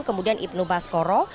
kemudian ibnu baskoro